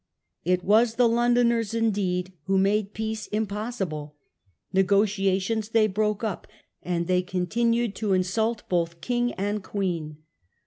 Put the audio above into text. It was the Londoners, indeed, who made peace im possible. Negotiations they broke up, and they con tinued to insult both king and queen.